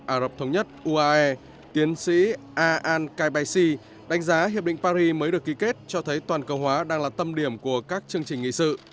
ả rập thống nhất uae tiến sĩ a an kaisi đánh giá hiệp định paris mới được ký kết cho thấy toàn cầu hóa đang là tâm điểm của các chương trình nghị sự